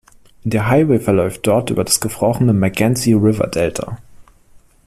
Der Highway verläuft dort über das gefrorene Mackenzie-River-Delta.